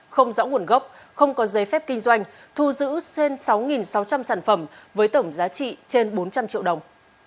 không rõ nguồn gốc không có giấy phép kinh doanh thu giữ trên sáu sáu trăm linh sản phẩm với tổng giá trị trên bốn trăm linh triệu đồng